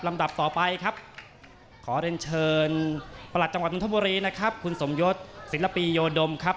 ดับต่อไปครับขอเรียนเชิญประหลัดจังหวัดนทบุรีนะครับคุณสมยศศิลปิโยดมครับ